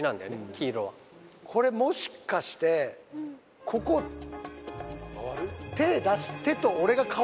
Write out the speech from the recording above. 黄色はこれもしかしてここ回る？